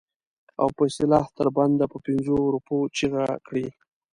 او په اصطلاح تر بنده په پنځو روپو چیغه کړي.